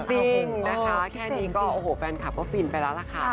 จริงนะคะแค่นี้ก็โอ้โหแฟนคลับก็ฟินไปแล้วล่ะค่ะ